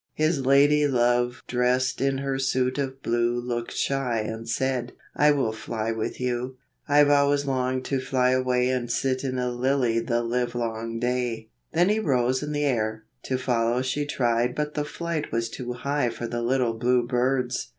His lady love dressed in her suit of blue Looked shy and said, "I will fly with you." I've always longed to fly away And sit in a lily the live long day, Then he rose in the air, to follow she tried But the flight was too high for the little blue bride.